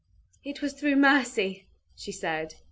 "It was through mercy!" she said.